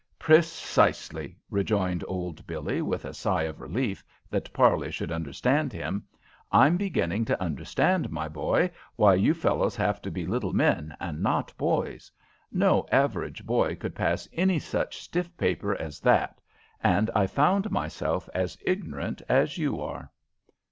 "Precisely," rejoined old Billie, with a sigh of relief that Parley should understand him. "I'm beginning to understand, my boy, why you fellows have to be little men and not boys. No average boy could pass any such stiff paper as that, and I found myself as ignorant as you are."